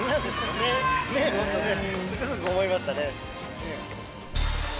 ねっ、本当ね、つくづく思いまし